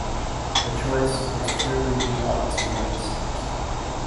The choice is purely the up to the listeners.